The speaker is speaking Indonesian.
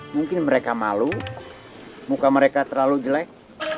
mungkin mereka malu muka mereka terlalu jelek